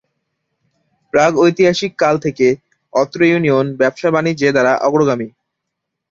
প্রাগ ঐতিহাসিক কাল থেকে অত্র ইউনিয়ন ব্যবসা-বাণিজ্যে দ্বারা অগ্রগামী।